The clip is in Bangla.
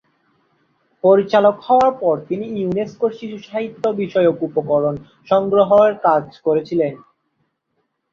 পরিচালক হওয়ার পর তিনি ইউনেস্কোর শিশুসাহিত্য বিষয়ক উপকরণ সংগ্রহের কাজ করছিলেন।